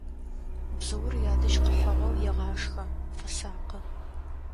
Бзыур ядэжь къыхьыгъэу егъашхэ, фэсакъы.